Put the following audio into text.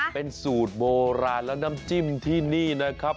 เป็นสูตรโบราณแล้วน้ำจิ้มที่นี่นะครับ